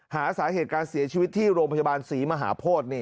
หาสาเหตุการเสียชีวิตที่โรงพยาบาลศรีมหาโพธิ